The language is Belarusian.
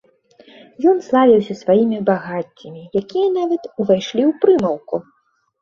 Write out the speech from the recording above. Ён славіўся сваімі багаццямі, якія нават увайшлі ў прымаўку.